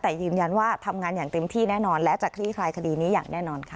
แต่ยืนยันว่าทำงานอย่างเต็มที่แน่นอนและจะคลี่คลายคดีนี้อย่างแน่นอนค่ะ